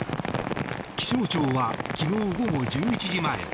気象庁は昨日午後１１時前